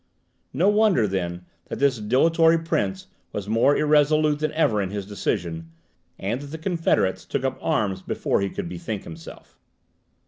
No wonder, then, that this dilatory prince was more irresolute than ever in his decision, and that the confederates took up arms before he could bethink himself.